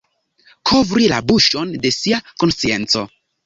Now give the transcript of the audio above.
Kovri la buŝon de sia konscienco.